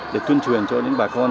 để tuyên truyền cho những bà con